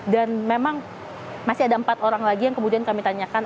dan memang masih ada empat orang lagi yang kemudian kami tanyakan